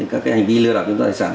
các hành vi lừa đảo trong tài sản